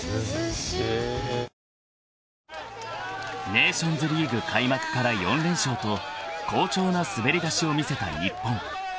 ［ネーションズリーグ開幕から４連勝と好調な滑り出しを見せた日本］